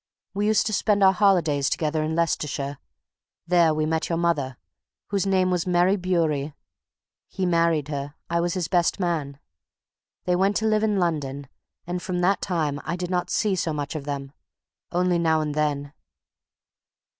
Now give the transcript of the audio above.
We used to spend our holidays together in Leicestershire. There we met your mother, whose name was Mary Bewery. He married her; I was his best man. They went to live in London, and from that time I did not see so much of them, only now and then.